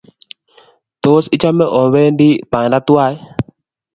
Tos, ichame obendi banda tuwai?